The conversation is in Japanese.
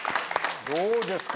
どうですか？